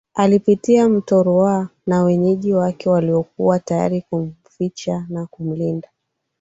Alipitia mto Ruah na wenyeji wake waliokuwa tayarikumficha na kumlinda